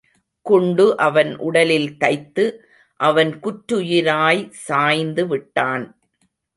குண்டு அவன் உடலில் தைத்து, அவன் குற்றுயிராய் சாய்ந்து விட்டான்.